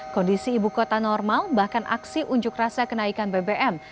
kondisi ibu kota normal bahkan aksi unjuk rasa kenaikan bbm